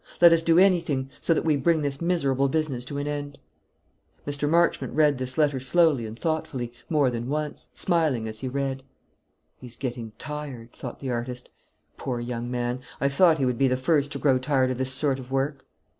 Let us do anything; so that we bring this miserable business to an end." Mr. Marchmont read this letter slowly and thoughtfully, more than once; smiling as he read. "He's getting tired," thought the artist. "Poor young man, I thought he would be the first to grow tired of this sort of work."